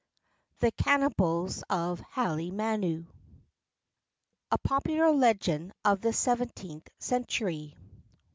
THE CANNIBALS OF HALEMANU. A POPULAR LEGEND OF THE SEVENTEENTH CENTURY.